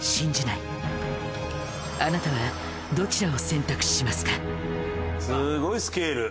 あなたはどちらを選択しますか？